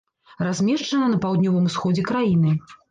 Размешчана на паўднёвым усходзе краіны.